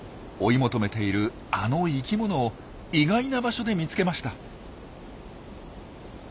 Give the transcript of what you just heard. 追い求めているあの生きものを意外な場所で見つけました。